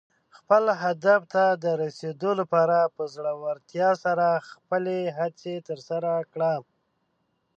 خپل هدف ته د رسېدو لپاره په زړۀ ورتیا سره خپلې هڅې ترسره کړه.